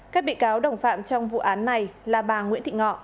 các bị cáo đồng phạm trong vụ án này là bà nguyễn thị ngọ